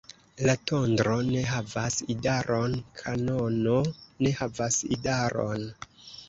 La tondro ne havas idaron; kanono ne havas idaron.